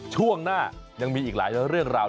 ช่วงหน้ายังมีอีกหลายเรื่องราว